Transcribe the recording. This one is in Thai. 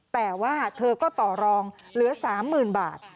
แต่ว่าเธอก็ต่อรองเหลือ๓๐๐๐บาท